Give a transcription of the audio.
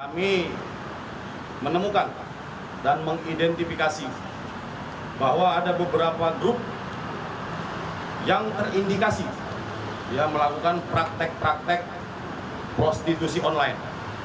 kami menemukan dan mengidentifikasi bahwa ada beberapa grup yang terindikasi melakukan praktek praktek prostitusi online